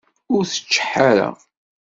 Ur tteččeḥ ara!